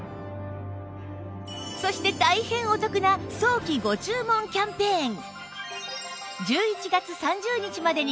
そして大変お得な早期ご注文キャンペーン